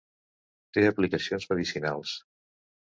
Té aplicacions medicinals.